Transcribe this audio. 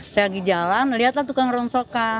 saya lagi jalan melihatlah tukang rongsokan